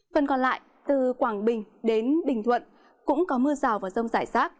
phần còn lại từ quảng bình đến bình thuận cũng có mưa rào và rông giải sát